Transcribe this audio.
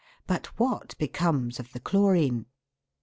But what becomes of the chlorine